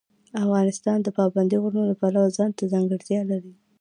افغانستان د پابندي غرونو له پلوه ځانته ځانګړتیاوې لري.